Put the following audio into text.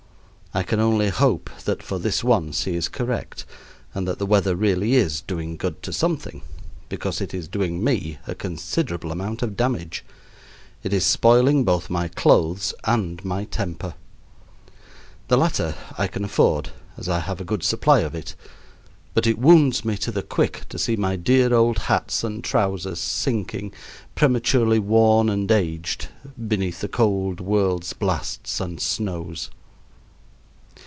I can only hope that for this once he is correct, and that the weather really is doing good to something, because it is doing me a considerable amount of damage. It is spoiling both my clothes and my temper. The latter I can afford, as I have a good supply of it, but it wounds me to the quick to see my dear old hats and trousers sinking, prematurely worn and aged, beneath the cold world's blasts and snows.